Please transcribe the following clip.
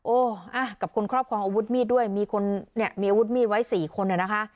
โอ้กับคนครอบครองอาวุธมีดด้วยมีอาวุธมีดไว้๔คนเลยนะคะ